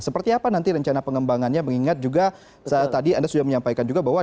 seperti apa nanti rencana pengembangannya mengingat juga tadi anda sudah menyampaikan juga bahwa